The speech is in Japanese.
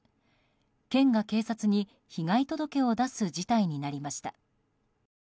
県が警察に被害届を出す事態になりました。